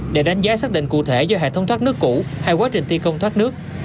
để đánh giá xác định cụ thể do hệ thống thoát nước cũ hay quá trình thi công thoát nước